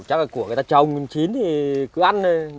chắc là của người ta trồng chín thì cứ ăn